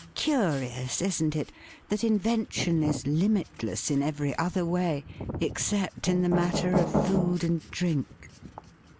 Curious, isn't it, that invention is limitless in every other way except in the matter of food and drink